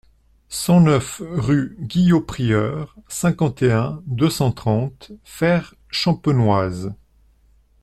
cent neuf rue Guyot Prieur, cinquante et un, deux cent trente, Fère-Champenoise